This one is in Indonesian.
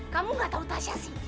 kamu gak tahu tasya sih